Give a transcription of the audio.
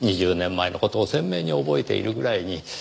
２０年前の事を鮮明に覚えているぐらいに。